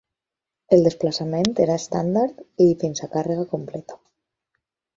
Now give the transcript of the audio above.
El desplaçament era estàndard i fins a càrrega completa.